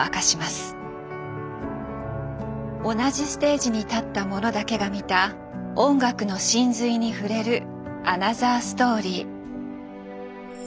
同じステージに立った者だけが見た音楽の神髄に触れるアナザーストーリー。